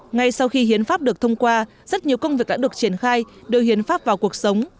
ngay sau khi hiến pháp được thông qua rất nhiều công việc đã được triển khai đưa hiến pháp vào cuộc sống